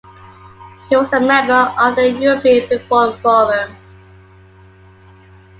He was a member of the European Reform Forum.